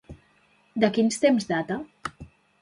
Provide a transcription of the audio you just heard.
De quins temps data?